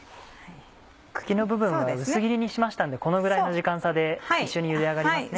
茎の部分は薄切りにしましたのでこのぐらいの時間差で一緒に茹で上がりますね。